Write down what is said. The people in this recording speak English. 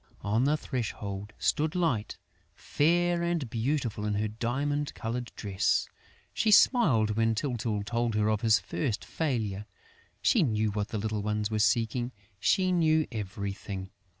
On the threshold stood Light, fair and beautiful in her diamond coloured dress. She smiled when Tyltyl told her of his first failure. She knew what the little ones were seeking; she knew everything.